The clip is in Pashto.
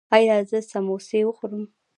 ایا زه سموسې وخورم؟